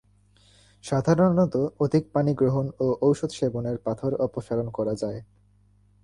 সাধারণত অধিক পানি গ্রহণ ও ঔষধ সেবনের পাথর অপসারণ করা যায়।